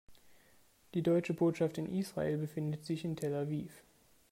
Die Deutsche Botschaft in Israel befindet sich in Tel Aviv.